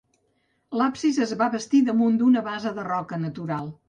L'absis es va bastir damunt d'una base de roca natural.